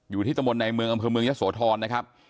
ตะมนต์ในเมืองอำเภอเมืองยะโสธรนะครับ